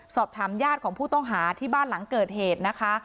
สอบถามญาติของผู้ต้องหาที่บ้านหลังเกิดเหตุนะคะ